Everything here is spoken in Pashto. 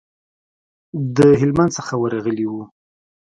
د هلمند څخه ورغلي وو.